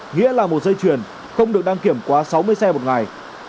nghĩa là một dây chuyển không được đăng kiểm quá sáu mươi xe một ngày